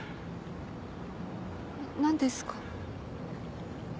何ですか？